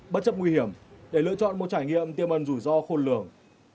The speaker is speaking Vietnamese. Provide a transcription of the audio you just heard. bất chấp nguy hiểm để lựa chọn một trải nghiệm tiêm ẩn rủi ro khôn lường